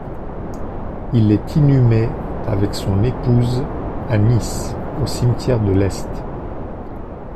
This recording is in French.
Il est inhumé avec son épouse, à Nice, au Cimetière de l'Est.